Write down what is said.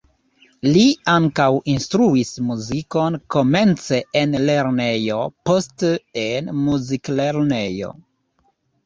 Li ankaŭ instruis muzikon komence en lernejo, poste en muziklernejo.